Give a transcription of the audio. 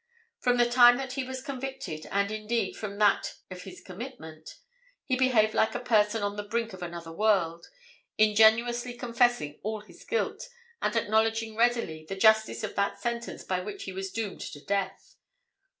From the time that he was convicted, and, indeed, from that of his commitment, he behaved like a person on the brink of another world, ingenuously confessing all his guilt, and acknowledging readily the justice of that sentence by which he was doomed to death.